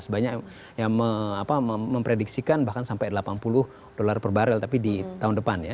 banyak yang memprediksikan bahkan sampai delapan puluh dolar per barrel tapi di tahun depan ya